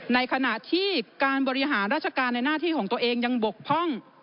ในขณะที่การบริหารราชการในหน้าที่ของตัวเองยังบกพร่อง